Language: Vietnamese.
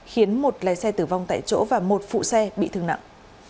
khiến một lái xe tử vong tại chỗ và một phụ xe bị thương nặng